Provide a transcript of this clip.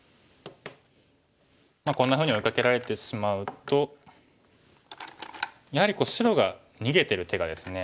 こんなふうに追いかけられてしまうとやはり白が逃げてる手がですね